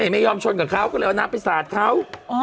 ไม่ยอมชนกับเขาก็เลยอนับพิสัจิ์เขา